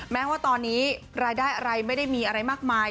แม้ว่าตอนนี้รายได้อะไรไม่ได้มีอะไรมากมาย